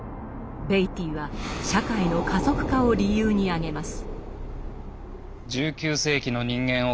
ベイティーは社会の加速化を理由に挙げます。